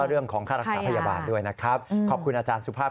เรื่องของค่ารักษาพยาบาลด้วยนะครับขอบคุณอาจารย์สุภาพ